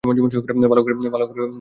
ভালো করে কষাতে হবে।